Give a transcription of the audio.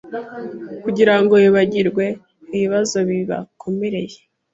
kugirango bibagirwe ibibazo bibakomereye